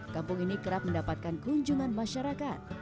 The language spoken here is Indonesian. kampung ini kerap mendapatkan kunjungan masyarakat